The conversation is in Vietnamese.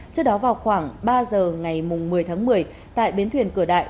trước đó vào khoảng ba giờ ngày một mươi tháng một mươi tại bến thuyền cửa đại